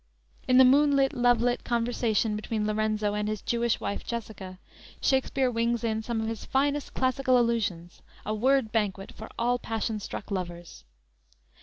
In the moonlit, lovelit conversation between Lorenzo and his Jewish wife, Jessica, Shakspere wings in some of his finest classical allusions, a word banquet for all passion struck lovers.